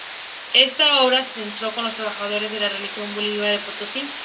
Esta obra se centró en los trabajadores de la región boliviana de Potosí.